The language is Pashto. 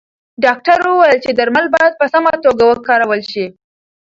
ډاکتر وویل چې درمل باید په سمه توګه وکارول شي.